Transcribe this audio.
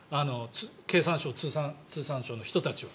経産省、通産省の人たちは。